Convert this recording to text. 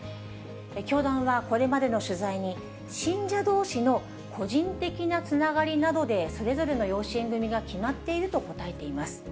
教団は、これまでの取材に、信者どうしの個人的なつながりなどでそれぞれの養子縁組みが決まっていると答えています。